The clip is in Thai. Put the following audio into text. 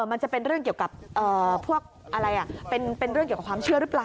มันจะเป็นเรื่องเกี่ยวกับพวกอะไรเป็นเรื่องเกี่ยวกับความเชื่อหรือเปล่า